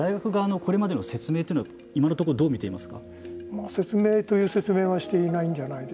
実際大学側のこれまでの説明は今のところどう見ていますか。